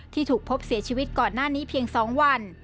ที่ถูกพบเสียชีวิตก่อนหน้านี้เพียง๒วัน